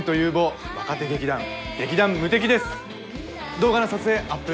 動画の撮影アップ